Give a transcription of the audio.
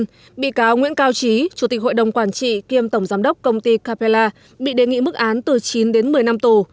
trong đó bị cáo nguyễn cao trí chủ tịch hội đồng quản trị kiêm tổng giám đốc công ty capella bị đề nghị mức án từ chín đến một mươi năm tù